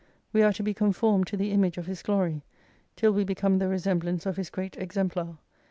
We arc to Ite conformed to the Image of His glory : till we become the resemblance of His great exemplar.